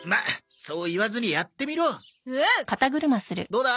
どうだ？